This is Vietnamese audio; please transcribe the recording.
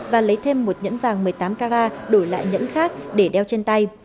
và lấy thêm một nhẫn vàng một mươi tám carat đổi lại nhẫn khác để đeo trên tay